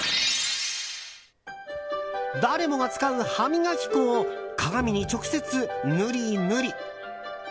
誰もが使う歯磨き粉を鏡に直接ぬりぬり。